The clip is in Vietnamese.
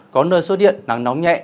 có nơi xuất điện nắng nóng nhẹ